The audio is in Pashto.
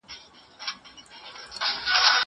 لوبه د زهشوم له خوا کيږي!!